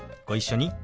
ご一緒に。